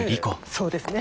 そうですね。